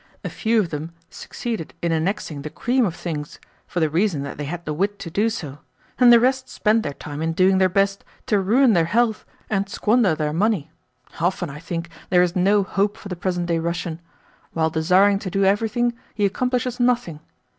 A few of them succeeded in annexing the cream of things, for the reason that they had the wit to do so, and the rest spent their time in doing their best to ruin their health and squander their money. Often I think there is no hope for the present day Russian. While desiring to do everything, he accomplishes nothing.